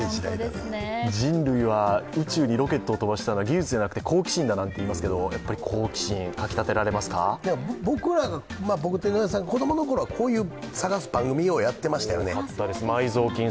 人類が宇宙にロケットを飛ばしたのは技術じゃなくて、好奇心だなんていいますけど僕と井上さん、子供のころはこういう探す番組、ようやってましたよね。